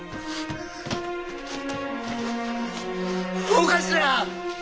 お頭！